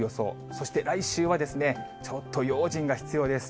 そして、来週はですね、ちょっと用心が必要です。